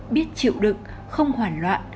biết chịu đựng không hoản loạn